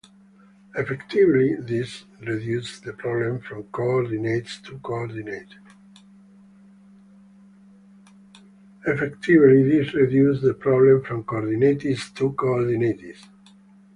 Effectively, this reduces the problem from coordinates to coordinates.